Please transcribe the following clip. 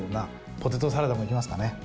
ポテトサラダもいきますかね。